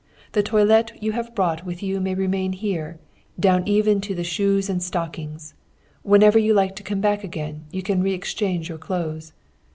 The toilet you have brought with you may remain here, down even to the shoes and stockings; whenever you like to come back again, you can re exchange your clothes."